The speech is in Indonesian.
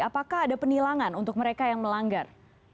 apakah ada penilangan untuk mereka yang melanggar